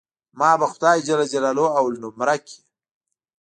ما به خداى جل جلاله اول نؤمره کي.